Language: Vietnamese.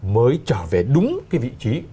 mới trở về đúng cái vị trí